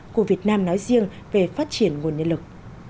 của việt nam nói riêng về phát triển nguồn nhân lực